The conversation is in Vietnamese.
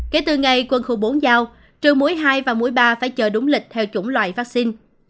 kể từ ngày quân khu bốn giao trường mũi hai và muối ba phải chờ đúng lịch theo chủng loại vaccine